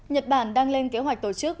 nhật bản đang lên kế hoạch tổ chức